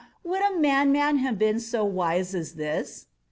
—would a madman have been so wise as this?